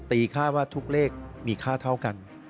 ตีค่าว่าทุกเลขมีค่าเท่ากัน